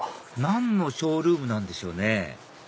何のショールームなんでしょうね？